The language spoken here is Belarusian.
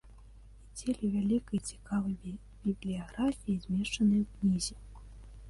І дзеля вялікай і цікавай бібліяграфіі, змешчанай у кнізе.